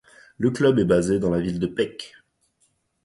Le club est basé dans la ville de Peć.